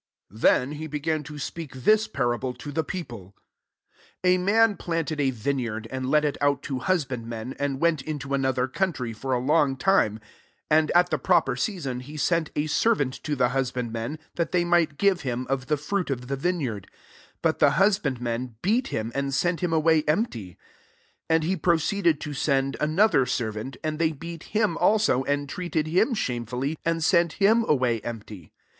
9 Then he began to speak this parable to the people :" A man planted a vineyard, and let it out to husbandmen, and went into another country, for a long time. 10 And at the firofier sea son, he sent a servant to the husbandmen, that they might give him of the fruit of the vineyard : but the husbandmen beat him, and sent him away empty. 1 1 "And he proceeded to send another servant : and they beat him also, and treated him shame fully, and sent him away empty.